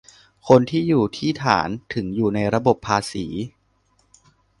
คนที่อยู่ที่ฐาน ถึงอยู่ในระบบภาษี